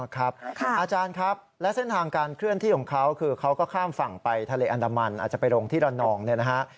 อาจารย์ครับและเส้นทางการเคลื่อนที่ของเขาคือเขาก็ข้ามฝั่งไปทะเลอันดามันอาจจะไปลงที่ระนองเนี่ยนะฮะ